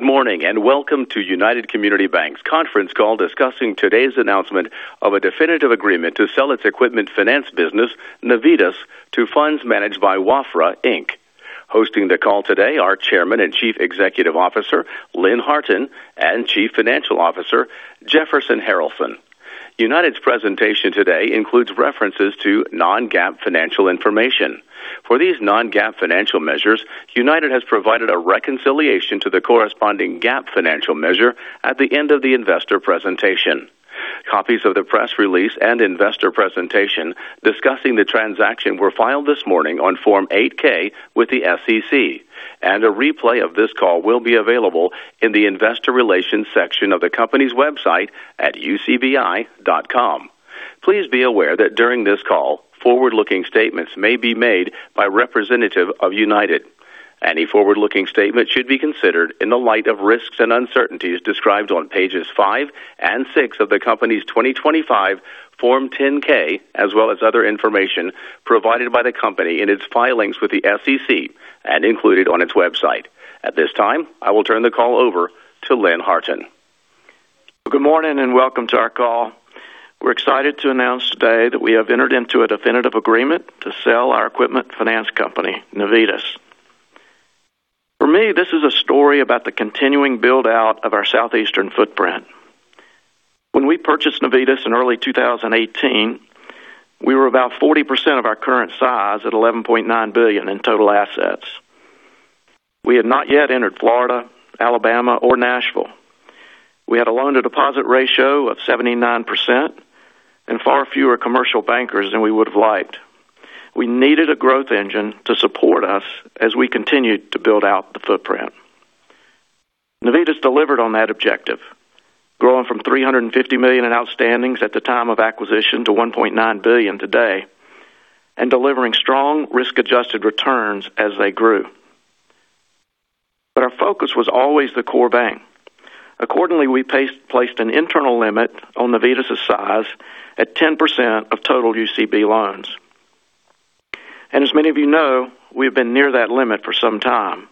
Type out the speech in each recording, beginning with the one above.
Good morning. Welcome to United Community Banks conference call discussing today's announcement of a definitive agreement to sell its equipment finance business, Navitas, to funds managed by Wafra Inc. Hosting the call today are Chairman and Chief Executive Officer, Lynn Harton, and Chief Financial Officer, Jefferson Harralson. United's presentation today includes references to non-GAAP financial information. For these non-GAAP financial measures, United has provided a reconciliation to the corresponding GAAP financial measure at the end of the investor presentation. Copies of the press release and investor presentation discussing the transaction were filed this morning on Form 8-K with the SEC, and a replay of this call will be available in the investor relations section of the company's website at ucbi.com. Please be aware that during this call, forward-looking statements may be made by representative of United. Any forward-looking statement should be considered in the light of risks and uncertainties described on pages five and six of the company's 2025 Form 10-K, as well as other information provided by the company in its filings with the SEC and included on its website. At this time, I will turn the call over to Lynn Harton. Good morning. Welcome to our call. We're excited to announce today that we have entered into a definitive agreement to sell our equipment finance company, Navitas. For me, this is a story about the continuing build-out of our southeastern footprint. When we purchased Navitas in early 2018, we were about 40% of our current size at $11.9 billion in total assets. We had not yet entered Florida, Alabama, or Nashville. We had a loan-to-deposit ratio of 79% and far fewer commercial bankers than we would have liked. We needed a growth engine to support us as we continued to build out the footprint. Navitas delivered on that objective, growing from $350 million in outstandings at the time of acquisition to $1.9 billion today and delivering strong risk-adjusted returns as they grew. Our focus was always the core bank. Accordingly, we placed an internal limit on Navitas' size at 10% of total UCB loans. As many of you know, we have been near that limit for some time.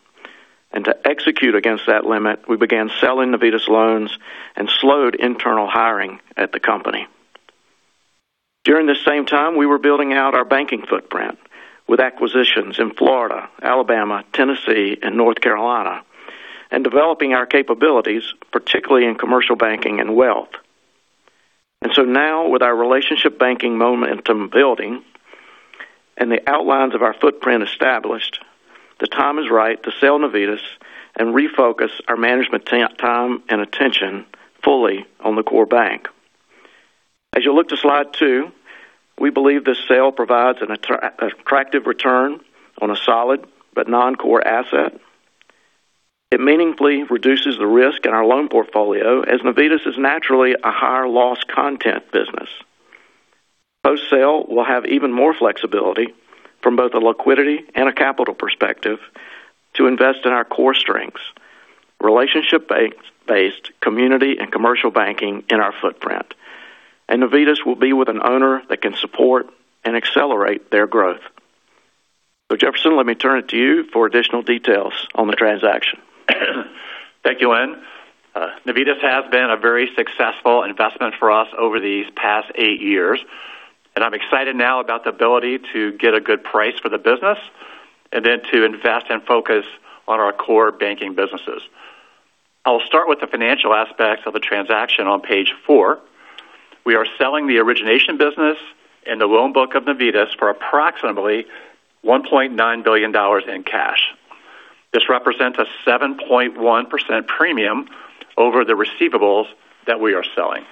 To execute against that limit, we began selling Navitas loans and slowed internal hiring at the company. During this same time, we were building out our banking footprint with acquisitions in Florida, Alabama, Tennessee, and North Carolina, and developing our capabilities, particularly in commercial banking and wealth. Now with our relationship banking momentum building and the outlines of our footprint established, the time is right to sell Navitas and refocus our management time and attention fully on the core bank. As you look to slide two, we believe this sale provides an attractive return on a solid but non-core asset. It meaningfully reduces the risk in our loan portfolio as Navitas is naturally a higher loss content business. Post-sale will have even more flexibility from both a liquidity and a capital perspective to invest in our core strengths, relationship-based community and commercial banking in our footprint. Navitas will be with an owner that can support and accelerate their growth. Jefferson, let me turn it to you for additional details on the transaction. Thank you, Lynn. Navitas has been a very successful investment for us over these past eight years, and I'm excited now about the ability to get a good price for the business and then to invest and focus on our core banking businesses. I'll start with the financial aspects of the transaction on page four. We are selling the origination business and the loan book of Navitas for approximately $1.9 billion in cash. This represents a 7.1% premium over the receivables that we are selling.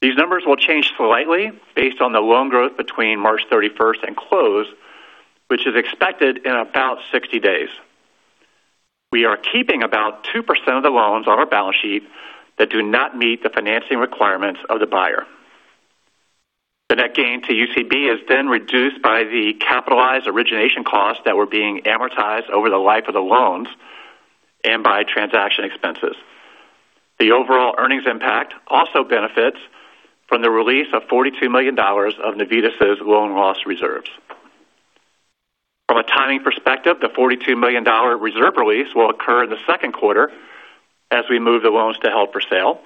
These numbers will change slightly based on the loan growth between March 31st and close, which is expected in about 60 days. We are keeping about 2% of the loans on our balance sheet that do not meet the financing requirements of the buyer. The net gain to UCB is then reduced by the capitalized origination costs that were being amortized over the life of the loans and by transaction expenses. The overall earnings impact also benefits from the release of $42 million of Navitas’ loan loss reserves. From a timing perspective, the $42 million reserve release will occur in the second quarter as we move the loans to held for sale,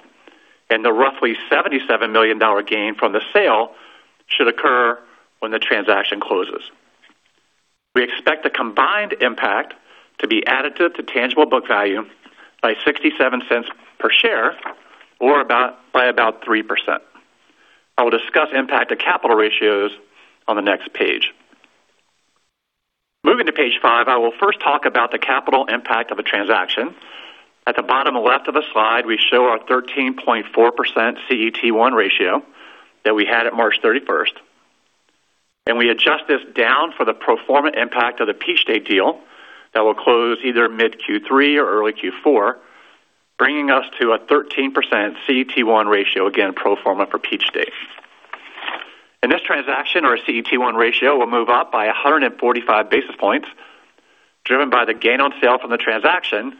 and the roughly $77 million gain from the sale should occur when the transaction closes. We expect the combined impact to be additive to tangible book value by $0.67 per share or by about 3%. I will discuss impact to capital ratios on the next page. Moving to page five, I will first talk about the capital impact of a transaction. At the bottom left of the slide, we show our 13.4% CET1 ratio that we had at March 31st. We adjust this down for the pro forma impact of the Peach State deal that will close either mid Q3 or early Q4, bringing us to a 13% CET1 ratio, again, pro forma for Peach State. In this transaction, our CET1 ratio will move up by 145 basis points, driven by the gain on sale from the transaction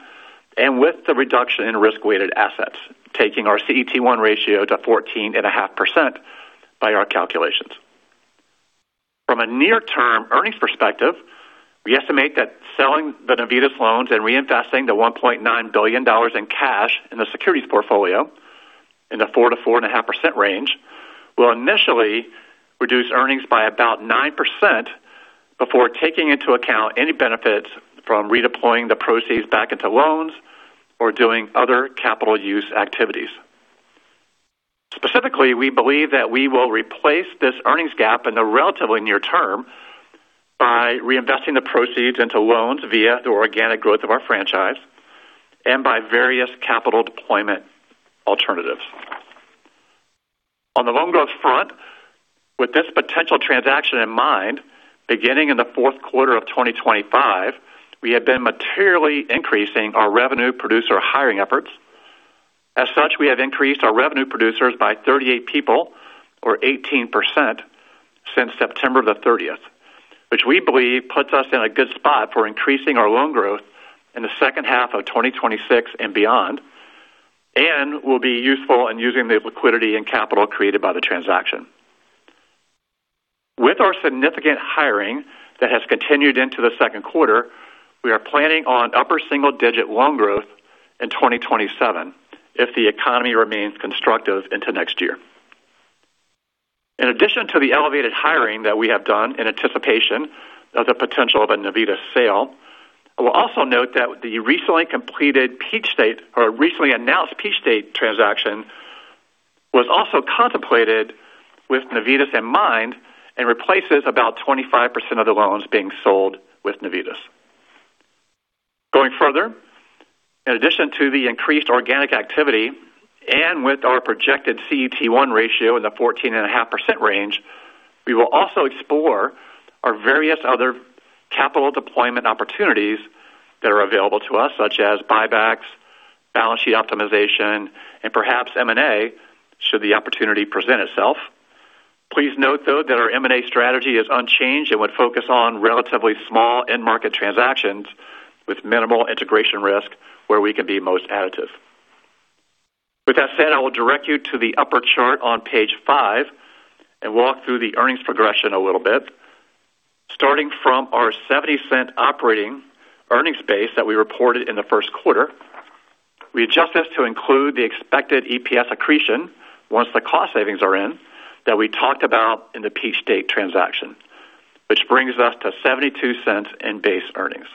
and with the reduction in risk-weighted assets, taking our CET1 ratio to 14.5% by our calculations. Near-term earnings perspective, we estimate that selling the Navitas loans and reinvesting the $1.9 billion in cash in the securities portfolio in the 4%-4.5% range will initially reduce earnings by about 9% before taking into account any benefits from redeploying the proceeds back into loans or doing other capital use activities. Specifically, we believe that we will replace this earnings gap in the relatively near term by reinvesting the proceeds into loans via the organic growth of our franchise and by various capital deployment alternatives. On the loan growth front, with this potential transaction in mind, beginning in the fourth quarter of 2025, we have been materially increasing our revenue producer hiring efforts. As such, we have increased our revenue producers by 38 people or 18% since September 30th, which we believe puts us in a good spot for increasing our loan growth in the second half of 2026 and beyond and will be useful in using the liquidity and capital created by the transaction. With our significant hiring that has continued into the second quarter, we are planning on upper single-digit loan growth in 2027 if the economy remains constructive into next year. In addition to the elevated hiring that we have done in anticipation of the potential of a Navitas sale, I will also note that the recently announced Peach State transaction was also contemplated with Navitas in mind and replaces about 25% of the loans being sold with Navitas. Going further, in addition to the increased organic activity and with our projected CET1 ratio in the 14.5% range, we will also explore our various other capital deployment opportunities that are available to us, such as buybacks, balance sheet optimization, and perhaps M&A should the opportunity present itself. Please note, though, that our M&A strategy is unchanged and would focus on relatively small end-market transactions with minimal integration risk where we can be most additive. With that said, I will direct you to the upper chart on page five and walk through the earnings progression a little bit. Starting from our $0.70 operating earnings base that we reported in the first quarter. We adjust this to include the expected EPS accretion once the cost savings are in that we talked about in the Peach State transaction, which brings us to $0.72 in base earnings.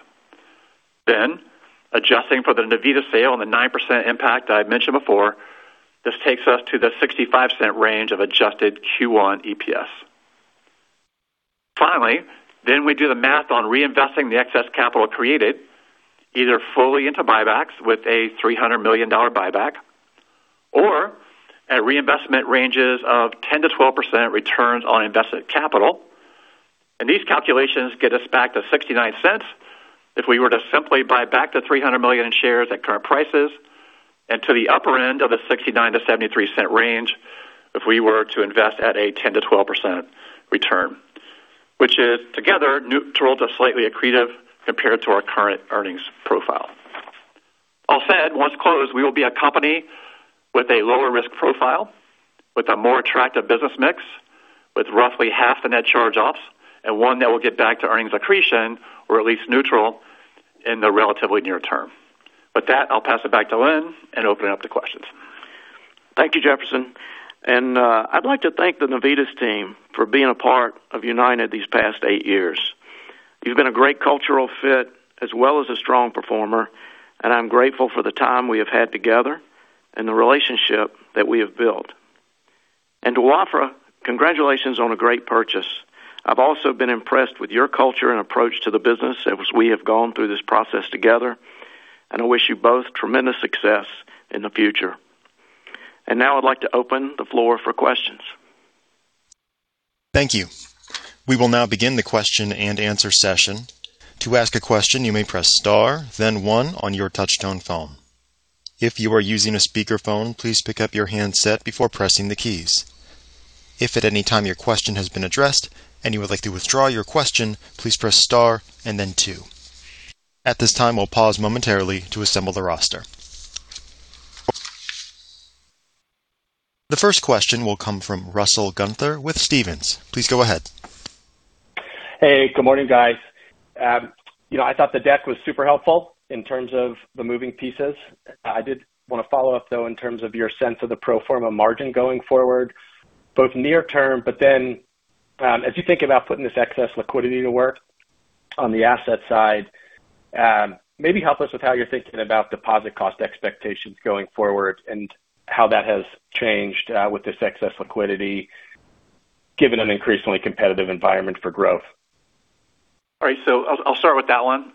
Adjusting for the Navitas sale and the 9% impact that I mentioned before. This takes us to the $0.65 range of adjusted Q1 EPS. Finally, we do the math on reinvesting the excess capital created either fully into buybacks with a $300 million buyback or at reinvestment ranges of 10%-12% returns on invested capital. These calculations get us back to $0.69 if we were to simply buy back the $300 million in shares at current prices and to the upper end of the $0.69-$0.73 range if we were to invest at a 10%-12% return, which is together neutral to slightly accretive compared to our current earnings profile. All said, once closed, we will be a company with a lower risk profile, with a more attractive business mix, with roughly half the net charge-offs and one that will get back to earnings accretion or at least neutral in the relatively near term. With that, I'll pass it back to Lynn and open it up to questions. Thank you, Jefferson. I'd like to thank the Navitas team for being a part of United these past eight years. You've been a great cultural fit as well as a strong performer, I'm grateful for the time we have had together and the relationship that we have built. To Wafra, congratulations on a great purchase. I've also been impressed with your culture and approach to the business as we have gone through this process together, I wish you both tremendous success in the future. Now I'd like to open the floor for questions. Thank you. We will now begin the question and answer session. To ask a question, you may press star, then one on your touchtone phone. If you are using a speakerphone, please pick up your handset before pressing the keys. If at any time your question has been addressed and you would like to withdraw your question, please press star and then two. At this time, we'll pause momentarily to assemble the roster. The first question will come from Russell Gunther with Stephens. Please go ahead. Hey, good morning, guys. I thought the deck was super helpful in terms of the moving pieces. I did want to follow up, though, in terms of your sense of the pro forma margin going forward, both near term, as you think about putting this excess liquidity to work on the asset side maybe help us with how you're thinking about deposit cost expectations going forward and how that has changed with this excess liquidity, given an increasingly competitive environment for growth. All right. I'll start with that one.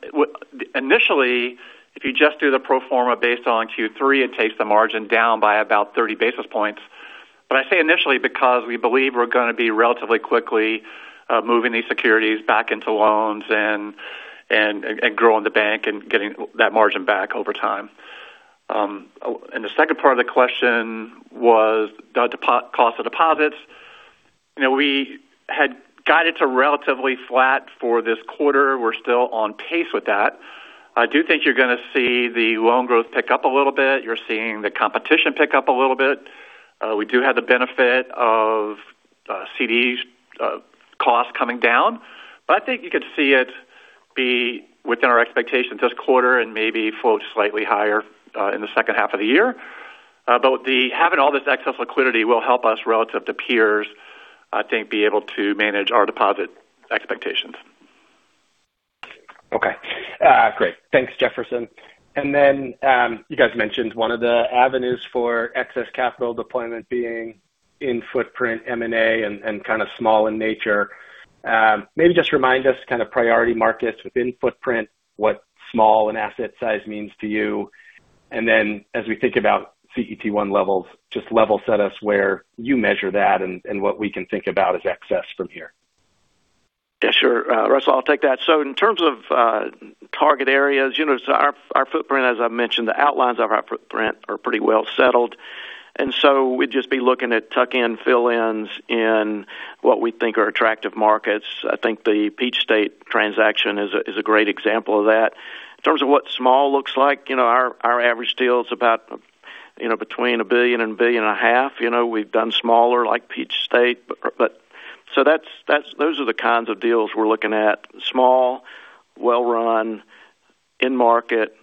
Initially, if you just do the pro forma based on Q3, it takes the margin down by about 30 basis points. I say initially because we believe we're going to be relatively quickly moving these securities back into loans and growing the bank and getting that margin back over time. The second part of the question was the cost of deposits. We had guided to relatively flat for this quarter. We're still on pace with that. I do think you're going to see the loan growth pick up a little bit. You're seeing the competition pick up a little bit. We do have the benefit of CD costs coming down, I think you could see it be within our expectations this quarter and maybe flow slightly higher in the second half of the year. Having all this excess liquidity will help us relative to peers, I think, be able to manage our deposit expectations. Okay. Great. Thanks, Jefferson. You guys mentioned one of the avenues for excess capital deployment being in footprint M&A and kind of small in nature. Maybe just remind us kind of priority markets within footprint, what small and asset size means to you. As we think about CET1 levels, just level set us where you measure that and what we can think about as excess from here. Yeah, sure. Russell, I'll take that. In terms of target areas, our footprint, as I mentioned, the outlines of our footprint are pretty well settled. We'd just be looking at tuck-in fill-ins in what we think are attractive markets. I think the Peach State transaction is a great example of that. In terms of what small looks like, our average deal is about between $1 billion and $1.5 billion. We've done smaller, like Peach State. Those are the kinds of deals we're looking at, small, well run, in-market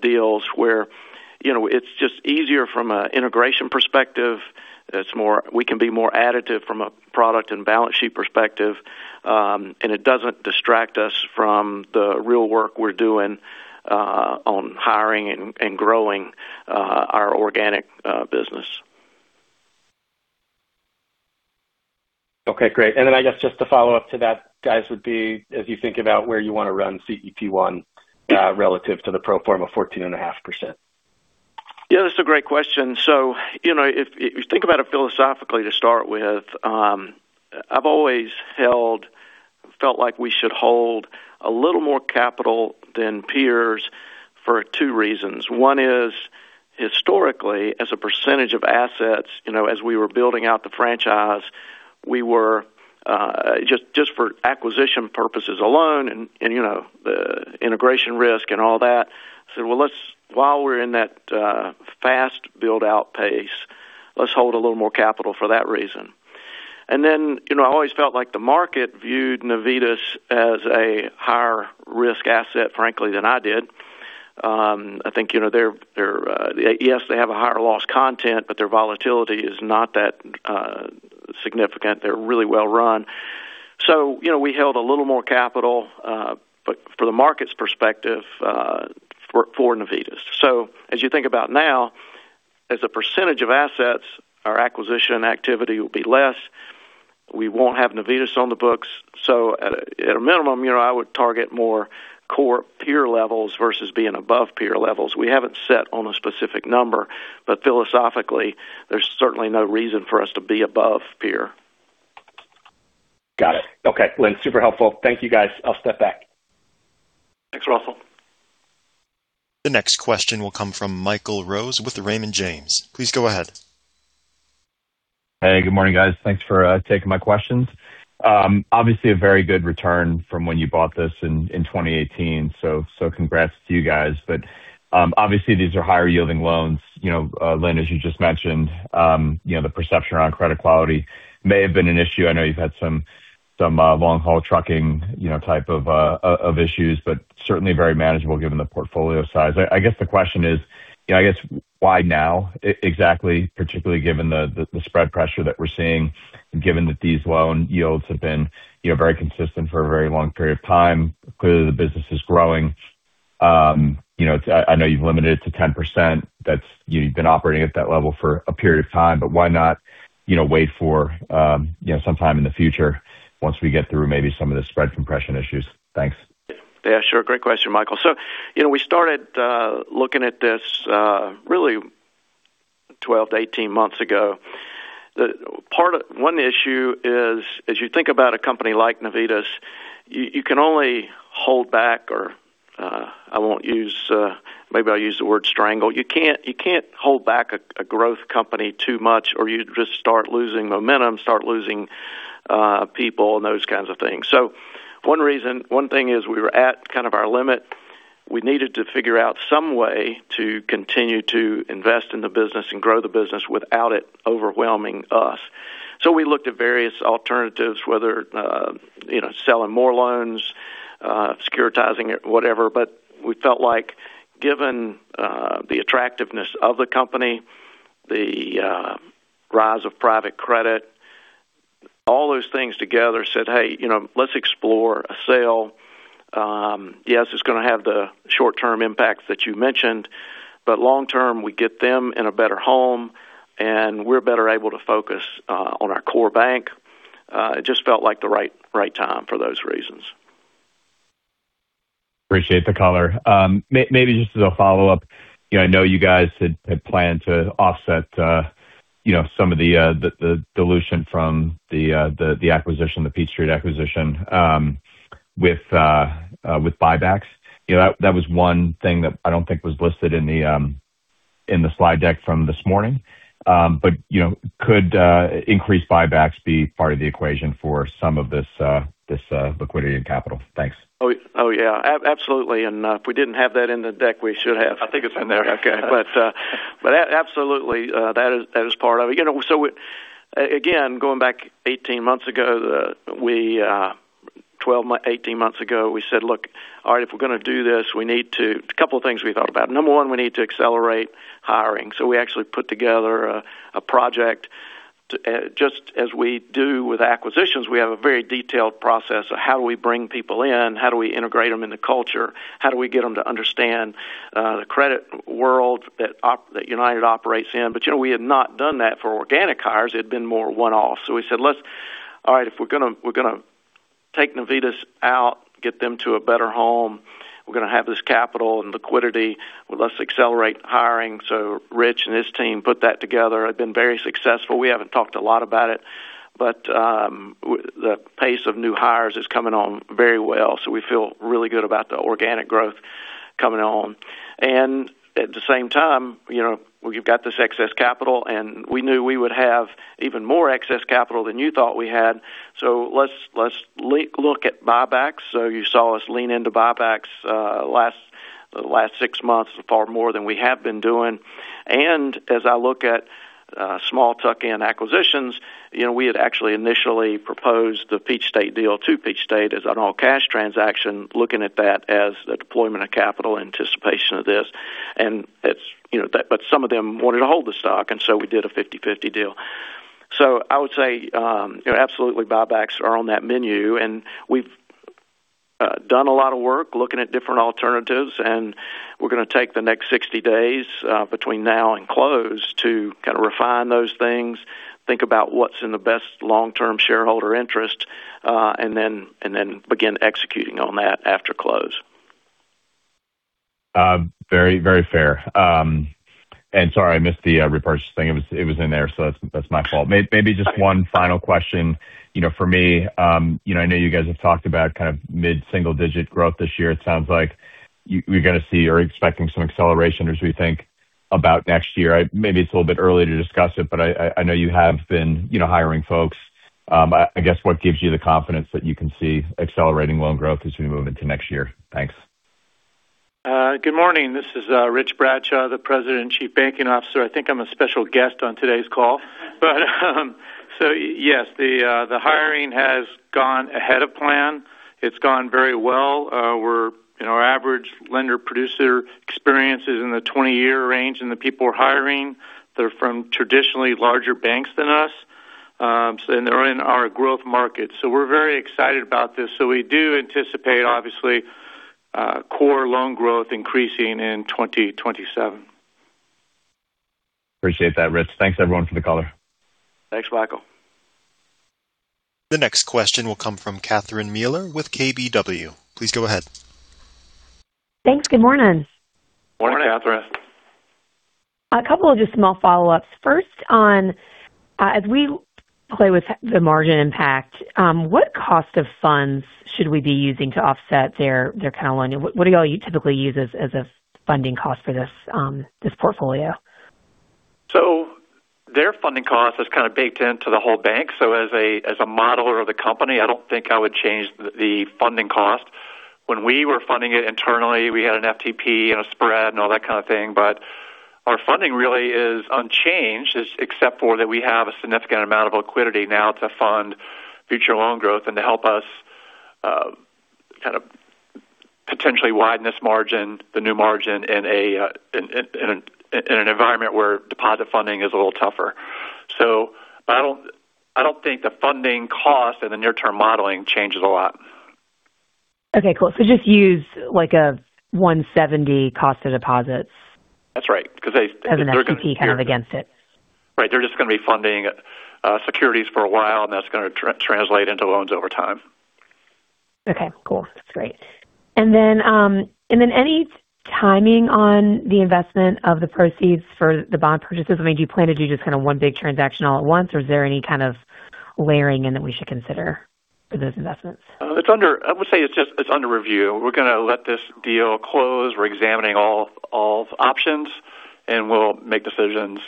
deals where it's just easier from an integration perspective. We can be more additive from a product and balance sheet perspective, and it doesn't distract us from the real work we're doing on hiring and growing our organic business. Okay, great. I guess just to follow up to that guys would be, as you think about where you want to run CET1 relative to the pro forma 14.5%. That's a great question. If you think about it philosophically to start with, I've always felt like we should hold a little more capital than peers for two reasons. One is, historically, as a percentage of assets as we were building out the franchise, we were just for acquisition purposes alone and the integration risk and all that, said, "While we're in that fast build-out pace, let's hold a little more capital for that reason." I always felt like the market viewed Navitas as a higher risk asset, frankly, than I did. I think yes, they have a higher loss content, but their volatility is not that significant. They're really well run. We held a little more capital for the market's perspective for Navitas. As you think about now, as a percentage of assets, our acquisition activity will be less. We won't have Navitas on the books. At a minimum, I would target more core peer levels versus being above peer levels. We haven't set on a specific number, but philosophically, there's certainly no reason for us to be above peer. Got it. Lynn, super helpful. Thank you, guys. I'll step back. Thanks, Russell. The next question will come from Michael Rose with Raymond James. Please go ahead. Hey, good morning, guys. Thanks for taking my questions. Obviously a very good return from when you bought this in 2018, so congrats to you guys. Obviously these are higher yielding loans. Lynn, as you just mentioned the perception around credit quality may have been an issue. I know you've had some long-haul trucking type of issues, but certainly very manageable given the portfolio size. I guess the question is why now, exactly, particularly given the spread pressure that we're seeing, given that these loan yields have been very consistent for a very long period of time. Clearly the business is growing. I know you've limited it to 10%. You've been operating at that level for a period of time, why not wait for sometime in the future once we get through maybe some of the spread compression issues? Thanks. Yeah, sure. Great question, Michael. We started looking at this really 12-18 months ago. One issue is, as you think about a company like Navitas, you can only hold back or maybe I'll use the word strangle. You can't hold back a growth company too much or you just start losing momentum, start losing people and those kinds of things. One thing is we were at kind of our limit. We needed to figure out some way to continue to invest in the business and grow the business without it overwhelming us. We looked at various alternatives, whether selling more loans, securitizing it, whatever, we felt like given the attractiveness of the company, the rise of private credit, all those things together said, "Hey let's explore a sale." Yes, it's going to have the short-term impacts that you mentioned, long-term, we get them in a better home and we're better able to focus on our core bank. It just felt like the right time for those reasons. Appreciate the color. Maybe just as a follow-up, I know you guys had planned to offset some of the dilution from the acquisition, the Peach State acquisition with buybacks. That was one thing that I don't think was listed in the slide deck from this morning. Could increased buybacks be part of the equation for some of this liquidity and capital? Thanks. Oh, yeah. Absolutely. If we didn't have that in the deck, we should have. I think it's in there. Okay. Absolutely, that is part of it. Again, going back 18 months ago, we said, "Look, all right, if we're going to do this, we need to" A couple of things we thought about. Number one, we need to accelerate hiring. We actually put together a project. Just as we do with acquisitions, we have a very detailed process of how do we bring people in, how do we integrate them in the culture, how do we get them to understand the credit world that United operates in. We had not done that for organic hires. It had been more one-off. We said, "All right, if we're going to take Navitas out, get them to a better home, we're going to have this capital and liquidity. Well, let's accelerate hiring." Rich and his team put that together. They've been very successful. We haven't talked a lot about it, the pace of new hires is coming on very well. We feel really good about the organic growth coming on. At the same time, we've got this excess capital, and we knew we would have even more excess capital than you thought we had, let's look at buybacks. You saw us lean into buybacks the last six months, far more than we have been doing. As I look at small tuck-in acquisitions, we had actually initially proposed the Peach State deal to Peach State as an all-cash transaction, looking at that as the deployment of capital in anticipation of this. Some of them wanted to hold the stock, and we did a 50/50 deal. I would say absolutely buybacks are on that menu, and we've done a lot of work looking at different alternatives, and we're going to take the next 60 days between now and close to kind of refine those things, think about what's in the best long-term shareholder interest, and then begin executing on that after close. Very fair. Sorry, I missed the repurchase thing. It was in there, that's my fault. Maybe just one final question. For me, I know you guys have talked about mid-single-digit growth this year. It sounds like you're going to see or expecting some acceleration as we think about next year. Maybe it's a little bit early to discuss it, I know you have been hiring folks. I guess, what gives you the confidence that you can see accelerating loan growth as we move into next year? Thanks. Good morning. This is Rich Bradshaw, the President and Chief Banking Officer. I think I'm a special guest on today's call. Yes, the hiring has gone ahead of plan. It's gone very well. Our average lender producer experience is in the 20-year range, and the people we're hiring, they're from traditionally larger banks than us, and they're in our growth markets. We're very excited about this. We do anticipate, obviously, core loan growth increasing in 2027. Appreciate that, Rich. Thanks, everyone, for the color. Thanks, Michael. The next question will come from Catherine Mealor with KBW. Please go ahead. Thanks. Good morning. Morning, Catherine. A couple of just small follow-ups. First on, as we play with the margin impact, what cost of funds should we be using to offset their kind of loan? What do you all typically use as a funding cost for this portfolio? Their funding cost is kind of baked into the whole bank. As a modeler of the company, I don't think I would change the funding cost. When we were funding it internally, we had an FTP and a spread and all that kind of thing. Our funding really is unchanged except for that we have a significant amount of liquidity now to fund future loan growth and to help us kind of potentially widen this margin, the new margin, in an environment where deposit funding is a little tougher. I don't think the funding cost and the near-term modeling changes a lot. Okay, cool. Just use like a 170 cost of deposits. That's right. As an FTP kind of against it. Right. They're just going to be funding securities for a while, and that's going to translate into loans over time. Okay, cool. That's great. Then, any timing on the investment of the proceeds for the bond purchases? I mean, do you plan to do just kind of one big transaction all at once, or is there any kind of layering in that we should consider for those investments? I would say it's under review. We're going to let this deal close. We're examining all the options. We'll make decisions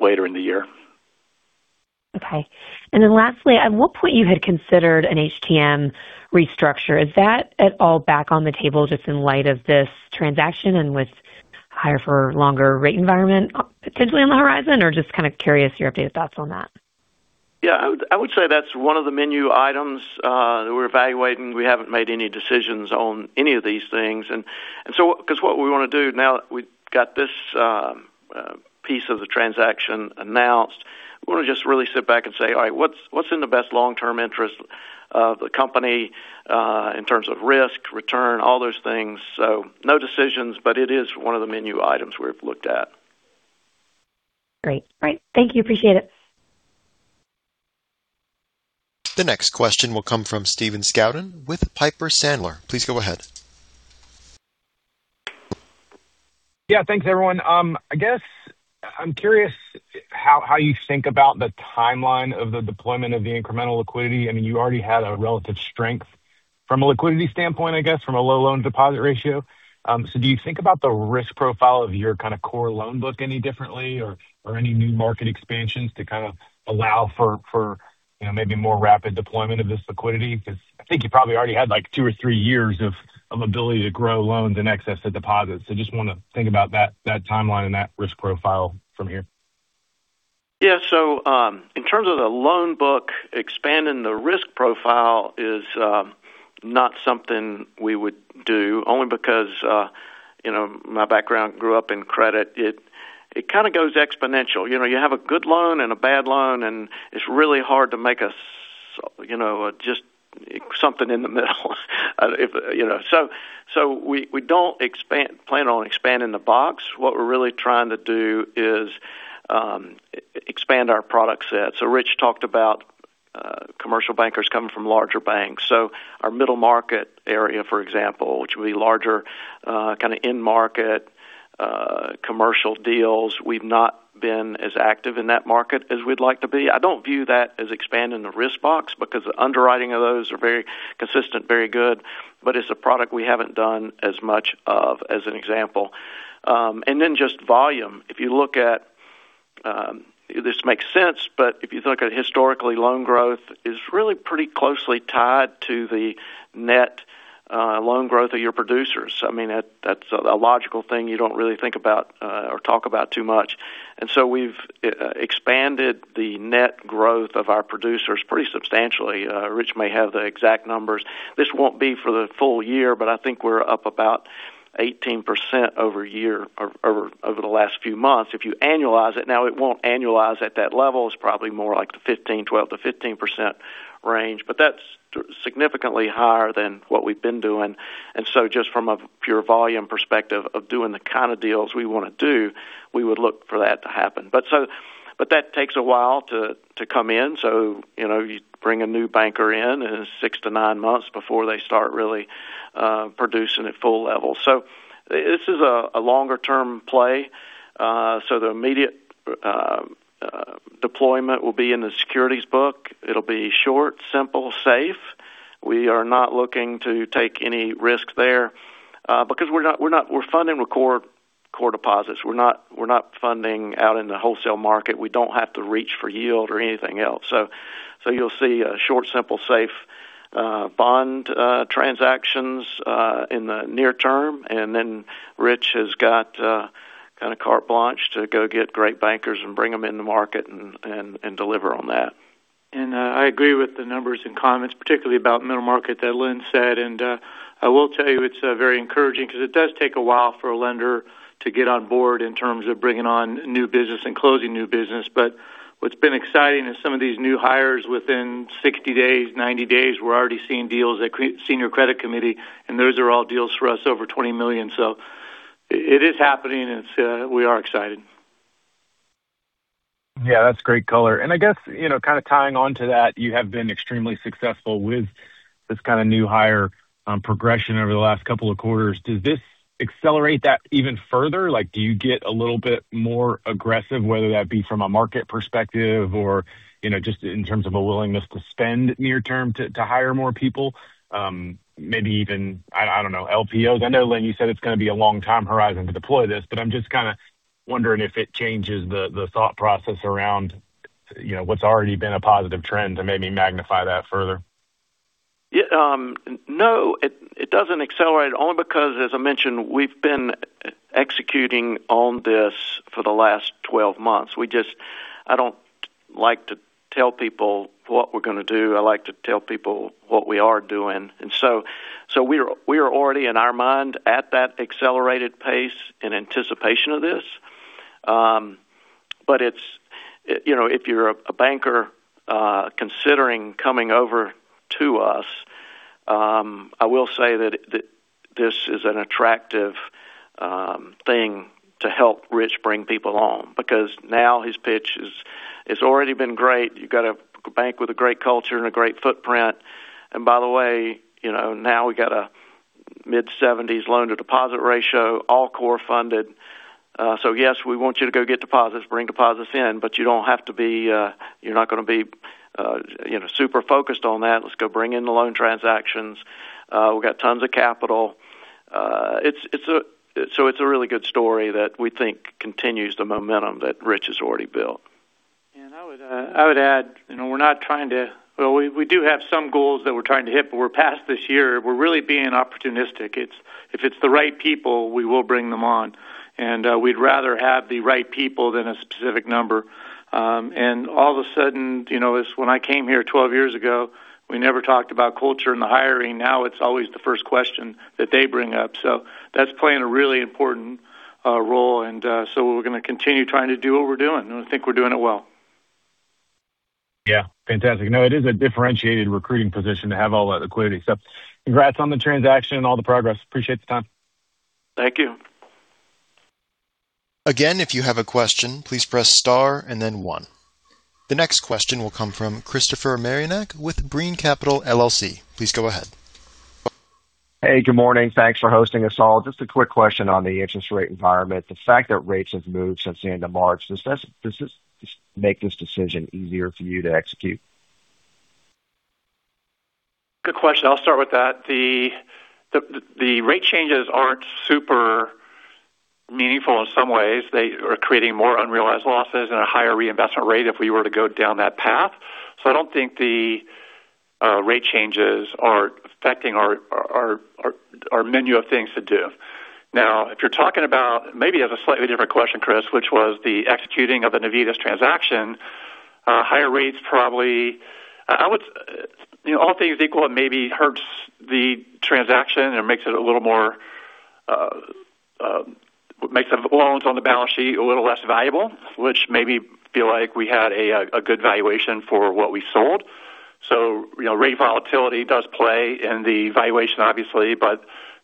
later in the year. Okay. Lastly, at what point you had considered an HTM restructure? Is that at all back on the table just in light of this transaction and with higher for longer rate environment potentially on the horizon? Just kind of curious your updated thoughts on that. Yeah. I would say that's one of the menu items that we're evaluating. We haven't made any decisions on any of these things because what we want to do now that we've got this piece of the transaction announced, we want to just really sit back and say, "All right, what's in the best long-term interest of the company in terms of risk, return, all those things?" No decisions, but it is one of the menu items we've looked at. Great. Thank you. Appreciate it. The next question will come from Stephen Scouten with Piper Sandler. Please go ahead. Yeah. Thanks, everyone. I guess I'm curious how you think about the timeline of the deployment of the incremental liquidity. I mean, you already had a relative strength from a liquidity standpoint, I guess, from a low loan deposit ratio. Do you think about the risk profile of your kind of core loan book any differently or any new market expansions to kind of allow for maybe more rapid deployment of this liquidity? I think you probably already had like two or three years of ability to grow loans in excess of deposits. Just want to think about that timeline and that risk profile from here. Yeah. In terms of the loan book, expanding the risk profile is not something we would do only because my background grew up in credit. It kind of goes exponential. You have a good loan and a bad loan, and it's really hard to make just something in the middle. We don't plan on expanding the box. What we're really trying to do is expand our product set. Rich talked about commercial bankers coming from larger banks. Our middle market area, for example, which would be larger kind of end market, commercial deals, we've not been as active in that market as we'd like to be. I don't view that as expanding the risk box because the underwriting of those are very consistent, very good, but it's a product we haven't done as much of as an example. Just volume. This makes sense, if you look at historically, loan growth is really pretty closely tied to the net loan growth of your producers. I mean, that's a logical thing you don't really think about or talk about too much. We've expanded the net growth of our producers pretty substantially. Rich may have the exact numbers. This won't be for the full year, but I think we're up about 18% year-over-year over the last few months. If you annualize it now, it won't annualize at that level. It's probably more like the 12%-15% range, but that's significantly higher than what we've been doing. Just from a pure volume perspective of doing the kind of deals we want to do, we would look for that to happen. That takes a while to come in. You bring a new banker in, and it's six to nine months before they start really producing at full level. This is a longer-term play. The immediate deployment will be in the securities book. It'll be short, simple, safe. We are not looking to take any risk there because we're funding with core deposits. We're not funding out in the wholesale market. We don't have to reach for yield or anything else. You'll see a short, simple, safe bond transactions in the near term, and then Rich has got kind of carte blanche to go get great bankers and bring them in the market and deliver on that. I agree with the numbers and comments, particularly about middle market, that Lynn said. I will tell you it's very encouraging because it does take a while for a lender to get on board in terms of bringing on new business and closing new business. What's been exciting is some of these new hires within 60 days, 90 days, we're already seeing deals at senior credit committee, and those are all deals for us over $20 million. It is happening, and we are excited. Yeah, that's great color. I guess, kind of tying on to that, you have been extremely successful with this kind of new hire progression over the last couple of quarters. Does this accelerate that even further? Do you get a little bit more aggressive, whether that be from a market perspective or just in terms of a willingness to spend near term to hire more people? Maybe even, I don't know, LPOs. I know, Lynn, you said it's going to be a long time horizon to deploy this, but I'm just kind of wondering if it changes the thought process around what's already been a positive trend to maybe magnify that further. No, it doesn't accelerate only because, as I mentioned, we've been executing on this for the last 12 months. I don't like to tell people what we're going to do. I like to tell people what we are doing. We are already in our mind at that accelerated pace in anticipation of this. If you're a banker considering coming over to us, I will say that this is an attractive thing to help Rich bring people on because now his pitch is already been great. You've got a bank with a great culture and a great footprint. By the way, now we've got a mid-70s loan-to-deposit ratio, all core funded. Yes, we want you to go get deposits, bring deposits in, but you're not going to be super focused on that. Let's go bring in the loan transactions. We've got tons of capital. It's a really good story that we think continues the momentum that Rich has already built. I would add, we do have some goals that we're trying to hit, but we're past this year. We're really being opportunistic. If it's the right people, we will bring them on, and we'd rather have the right people than a specific number. All of a sudden when I came here 12 years ago, we never talked about culture and the hiring. Now it's always the first question that they bring up. That's playing a really important role, we're going to continue trying to do what we're doing, and I think we're doing it well. Yeah, fantastic. No, it is a differentiated recruiting position to have all that liquidity. Congrats on the transaction and all the progress. Appreciate the time. Thank you. Again, if you have a question, please press star and then one. The next question will come from Christopher Marinac with Brean Capital, LLC. Please go ahead. Hey, good morning. Thanks for hosting us all. Just a quick question on the interest rate environment. The fact that rates have moved since the end of March, does this make this decision easier for you to execute? Good question. I'll start with that. The rate changes aren't super meaningful in some ways. They are creating more unrealized losses and a higher reinvestment rate if we were to go down that path. I don't think the rate changes are affecting our menu of things to do. Now, if you're talking about maybe as a slightly different question, Chris, which was the executing of the Navitas transaction, higher rates probably, all things equal, it maybe hurts the transaction and makes the loans on the balance sheet a little less valuable, which maybe feel like we had a good valuation for what we sold. Rate volatility does play in the valuation, obviously.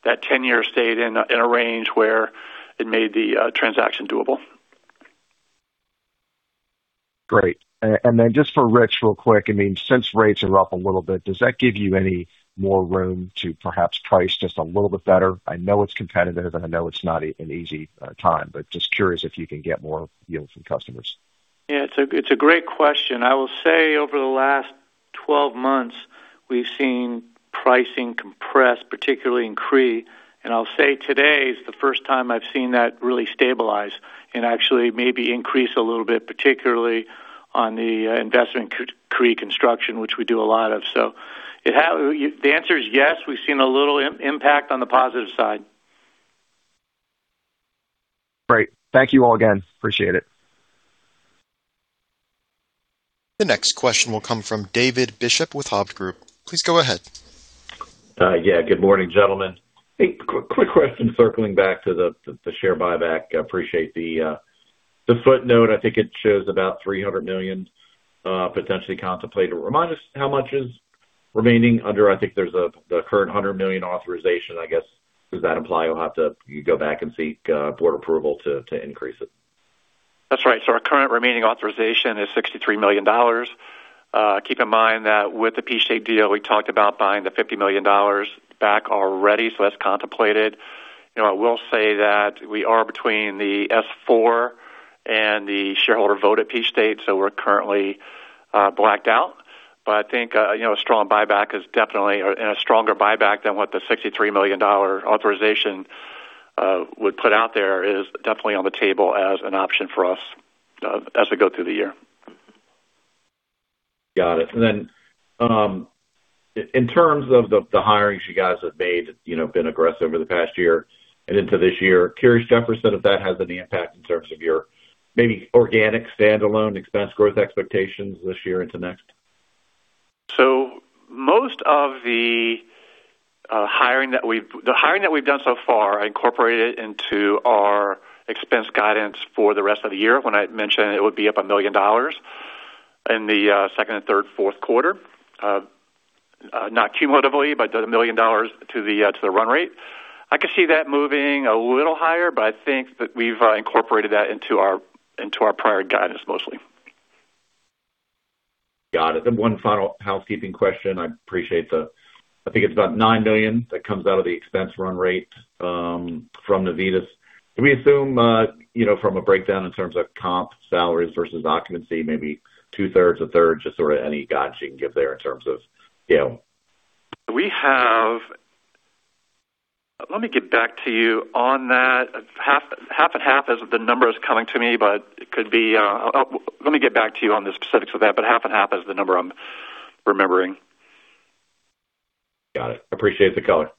That 10-year stayed in a range where it made the transaction doable. Great. Just for Rich real quick. Since rates are up a little bit, does that give you any more room to perhaps price just a little bit better? I know it's competitive and I know it's not an easy time, but just curious if you can get more yield from customers. Yeah, it's a great question. I will say over the last 12 months, we've seen pricing compress, particularly in CRE. I'll say today is the first time I've seen that really stabilize and actually maybe increase a little bit, particularly on the investment CRE construction, which we do a lot of. The answer is yes, we've seen a little impact on the positive side. Great. Thank you all again. Appreciate it. The next question will come from David Bishop with Hovde Group. Please go ahead. Good morning, gentlemen. Quick question circling back to the share buyback. I appreciate the footnote. I think it shows about $300 million potentially contemplated. Remind us how much is remaining under, I think there's the current $100 million authorization, I guess. Does that imply you'll have to go back and seek board approval to increase it? That's right. Our current remaining authorization is $63 million. Keep in mind that with the Peach State deal, we talked about buying the $50 million back already. That's contemplated. I will say that we are between the S-4 and the shareholder vote at Peach State. We're currently blacked out. I think a strong buyback is definitely, and a stronger buyback than what the $63 million authorization would put out there is definitely on the table as an option for us as we go through the year. Got it. In terms of the hiring you guys have made, been aggressive over the past year and into this year. Curious what percentage of that has any impact in terms of your maybe organic standalone expense growth expectations this year into next? Most of the hiring that we've done so far, I incorporated into our expense guidance for the rest of the year when I mentioned it would be up $1 million in the second and third, fourth quarter. Not cumulatively, $1 million to the run rate. I could see that moving a little higher. I think that we've incorporated that into our prior guidance mostly. Got it. One final housekeeping question. I appreciate the, I think it's about $9 million that comes out of the expense run rate from Navitas. Can we assume from a breakdown in terms of comp salaries versus occupancy, maybe two-thirds, a third, just sort of any guidance you can give there in terms of yield. Let me get back to you on that. Half and half is the numbers coming to me. Let me get back to you on the specifics of that. Half and half is the number I'm remembering. Got it. Appreciate the color.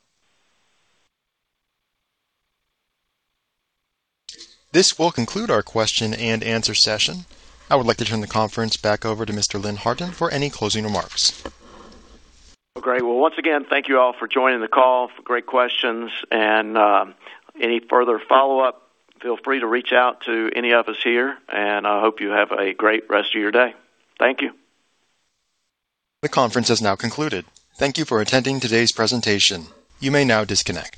This will conclude our question and answer session. I would like to turn the conference back over to Mr. Lynn Harton for any closing remarks. Well, once again, thank you all for joining the call, for great questions, and any further follow-up, feel free to reach out to any of us here. I hope you have a great rest of your day. Thank you. The conference has now concluded. Thank you for attending today's presentation. You may now disconnect.